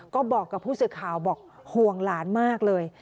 ก็บอกกับผู้สื่อข่าวบอกห่วงหลานมากเลย